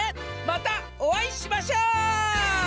またおあいしましょう！